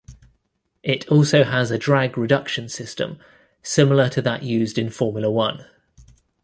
It also has a drag reduction system similar to that used in Formula One.